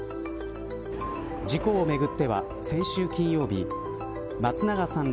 事故をめぐっては先週金曜日松永さんら